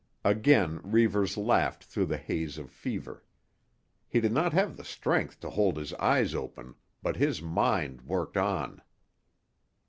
Again Reivers laughed through the haze of fever. He did not have the strength to hold his eyes open, but his mind worked on.